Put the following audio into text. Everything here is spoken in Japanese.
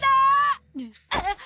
あっ！